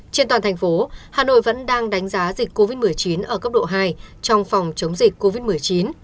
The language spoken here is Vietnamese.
trên toàn thành phố hà nội vẫn đang đánh giá dịch covid một mươi chín ở cấp độ hai trong phòng chống dịch covid một mươi chín